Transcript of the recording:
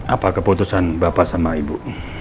apa keputusan bapak sama ibu